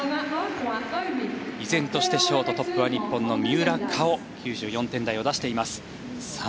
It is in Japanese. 依然としてショートトップは日本の三浦佳生９４点台を出しています。